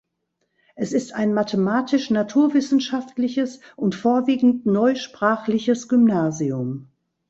Es ist ein mathematisch-naturwissenschaftliches und vorwiegend neusprachliches Gymnasium.